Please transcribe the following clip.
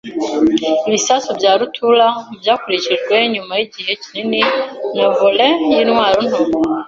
ibisasu bya rutura byakurikijwe nyuma yigihe kinini na volley yintwaro nto.